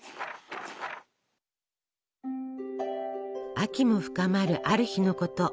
秋も深まるある日のこと。